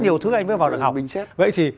nhiều thứ anh mới vào được học vậy thì